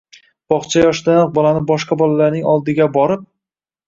Bog‘cha yoshidanoq bolani boshqa bolalarning oldiga borib